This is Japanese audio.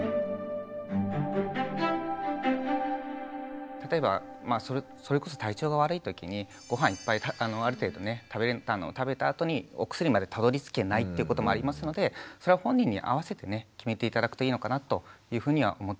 ただし例えばそれこそ体調が悪い時にごはんいっぱいある程度食べたあとにお薬までたどりつけないってこともありますのでそれは本人に合わせて決めて頂くといいのかなというふうには思っています。